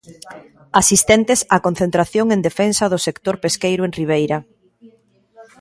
Asistentes a concentración en defensa do sector pesqueiro en Ribeira.